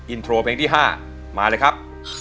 อินโทรเพลงที่๕มาเลยครับ